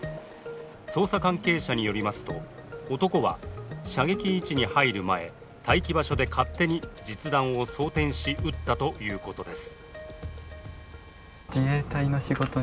捜査関係者によりますと、男は射撃位置に入る前、待機場所で勝手に実弾を装填し、撃ったということです。